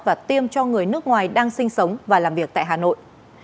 và tiêm cho người nước ngoài đang sinh sống và làm việc tại hà nội